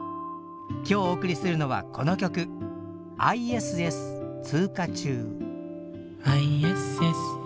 今日お送りするのはこの曲「ＩＳＳ通過中」。